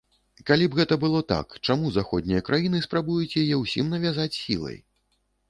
Калі б гэта было так, чаму заходнія краіны спрабуюць яе ўсім навязаць сілай?